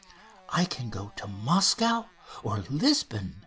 "I can go to Moscow or Lisbon!"